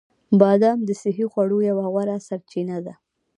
بادام د صحي خوړو یوه غوره سرچینه ده.